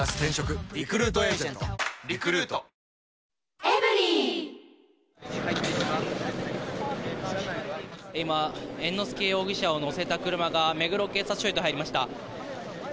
ニトリ今、猿之助容疑者を乗せた車が目黒警察署へと入りました。